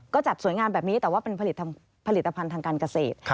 ก็จัดสวยงามแบบนี้แต่ว่าเป็นผลิตภัณฑ์ทางการเกษตร